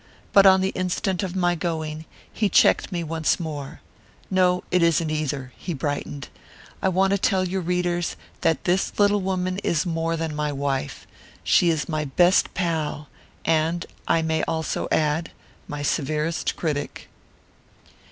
But on the instant of my going he checked me once more. 'No, it isn't either.' He brightened. 'I want you to tell your readers that this little woman is more than my wife she is my best pal; and, I may also add, my severest critic.